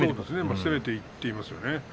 攻めていってますよね。